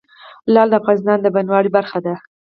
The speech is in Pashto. لعل د افغانستان د بڼوالۍ برخه ده.